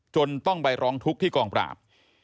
จนต้องไปร้องทุกข์ที่กองปราบ